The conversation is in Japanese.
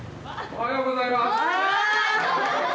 おはようございます。